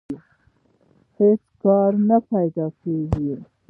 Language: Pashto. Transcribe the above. هېڅ کار نه پیدا کېږي